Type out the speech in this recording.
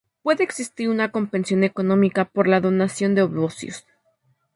Puede existir una compensación económica por la donación de ovocitos.